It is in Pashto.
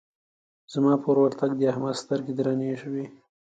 زما پر ورتګ د احمد سترګې درنې شوې.